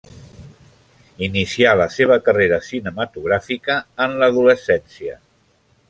Inicià la seva carrera cinematogràfica en l'adolescència.